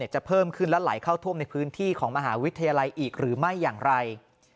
จะเพิ่มขึ้นและไหลเข้าท่วมในพื้นที่ของมหาวิทยาลัยอีกหรือไม่อย่างไร